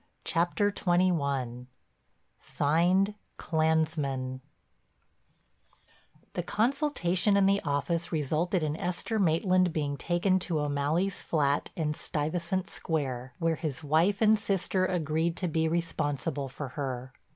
CHAPTER XXI—SIGNED "CLANSMEN" The consultation in the office resulted in Esther Maitland being taken to O'Malley's flat in Stuyvesant Square, where his wife and sister agreed to be responsible for her.